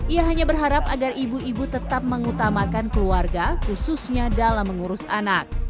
ia hanya berharap agar ibu ibu tetap mengutamakan keluarga khususnya dalam mengurus anak